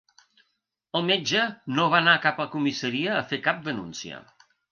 El metge no va anar a cap comissaria a fer cap denúncia.